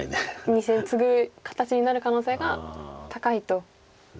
２線ツグ形になる可能性が高いと。